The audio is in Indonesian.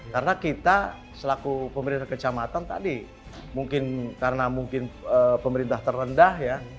karena kita selaku pemerintah kecamatan tadi mungkin karena mungkin pemerintah terendah ya